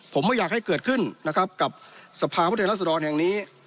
ผมไม่อยากให้เกิดขึ้นนะครับกับสภาพุทธแห่งรัฐสดรแห่งนี้